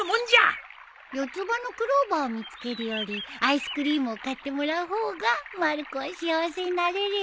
四つ葉のクローバー見つけるよりアイスクリームを買ってもらう方がまる子は幸せになれるよ。